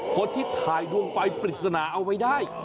คนที่ถ่ายดวงไฟปริศนาเอาไว้ได้